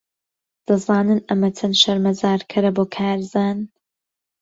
دەزانن ئەمە چەند شەرمەزارکەرە بۆ کارزان؟